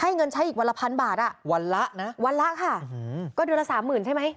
ให้เงินใช้อีกวันละ๑๐๐๐บาทวันละค่ะก็เดือนละ๓๐๐๐๐บาทใช่ไหม